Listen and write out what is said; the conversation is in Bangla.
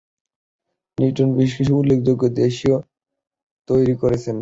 নিউটন বেশ কিছু উল্লেখযোগ্য দেশীয় তৈরি করেছেন।